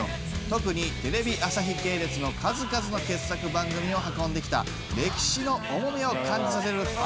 特にテレビ朝日系列の数々の傑作番組を運んできた歴史の重みを感じさせるハコ袋です！